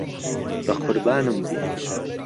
بەقوربانم بی.